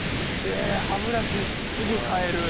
え歯ブラシすぐかえる！